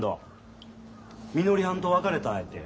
みのりはんと別れたんやてホンマか？